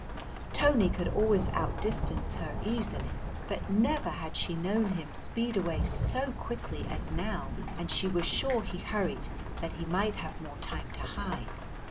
Tony could always outdistance her easily, but never had she known him speed away so quickly as now, and she was sure he hurried that he might have more time to hide.